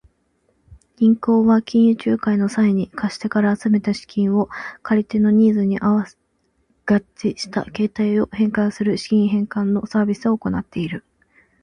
銀行は金融仲介の際に、貸し手から集めた資金を借り手のニーズに合致した形態に変換する資産変換のサービスを行っている。